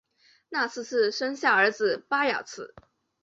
纳喇氏生下儿子巴雅喇。